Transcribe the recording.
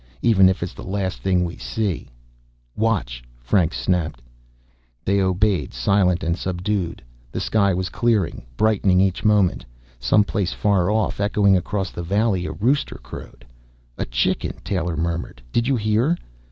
Even if it's the last thing we see " "Watch," Franks snapped. They obeyed, silent and subdued. The sky was clearing, brightening each moment. Some place far off, echoing across the valley, a rooster crowed. "A chicken!" Taylor murmured. "Did you hear?"